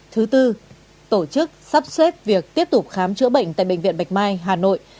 thứ tư tổ chức sắp xếp việc tiếp tục khám chữa bệnh tại bệnh viện bạch mai hà nội